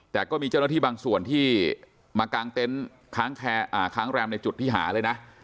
แต่ก็มีเจ้าหน้าที่บางส่วนที่มากางเต็นต์ค้างแรมในจุดที่หาเลยนะ